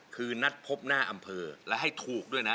คือนัดพบหน้าอำเภอและให้ถูกด้วยนะ